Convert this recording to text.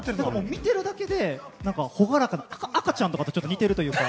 見てるだけで朗らかな、赤ちゃんと似てるというか。